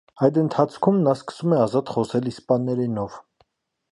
Այդ ընթացքում նա սկսում է ազատ խոսել իսպաներենով։